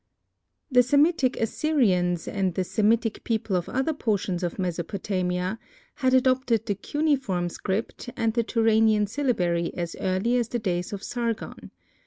THE Semitic Assyrians and the Semitic people of other portions of Mesopotamia, had adopted the cuneiform script and the Turanian syllabary as early as the days of Sargon.